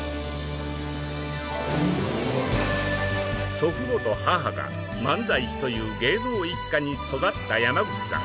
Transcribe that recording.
祖父母と母が漫才師という芸能一家に育った山口さん。